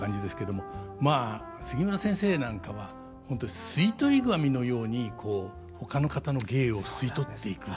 まあ杉村先生なんかは本当吸い取り紙のようにこうほかの方の芸を吸い取っていく。